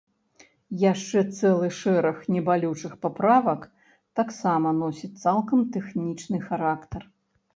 Яшчэ цэлы шэраг небалючых паправак таксама носіць цалкам тэхнічны характар.